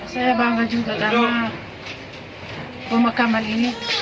saya bangga juga karena pemakaman ini